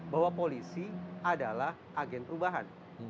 bahwa polisi adalah agen perubahan